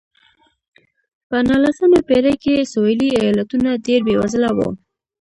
په نولسمې پېړۍ کې سوېلي ایالتونه ډېر بېوزله وو.